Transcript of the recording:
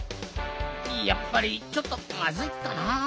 やっぱりちょっとまずいかな。